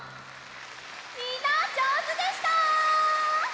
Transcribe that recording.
みんなじょうずでした！